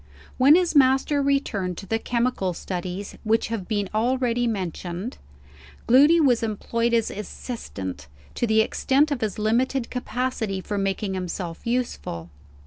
When his master returned to the chemical studies which have been already mentioned, Gloody was employed as assistant, to the extent of his limited capacity for making himself useful.